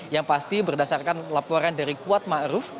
yang pasti berdasarkan laporan dari kuat makruf